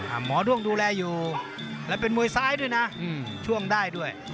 หมอด้วงดูแลอยู่แล้วเป็นมวยซ้ายด้วยนะช่วงได้ด้วย